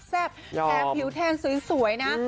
แถมผิวแทนสวยนะ